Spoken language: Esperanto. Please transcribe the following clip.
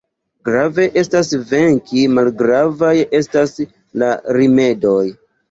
Grave estas venki, malgravaj estas la rimedoj.